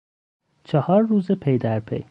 چهار روز پیدرپی